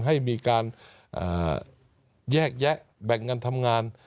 ให้มีการแยกแยะแบ่งเงินทำงาน